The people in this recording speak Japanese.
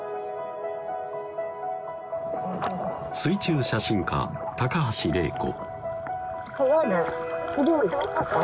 水中写真家・高橋怜子